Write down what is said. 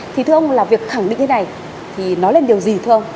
thì thưa ông là việc khẳng định thế này thì nói là điều gì thưa ông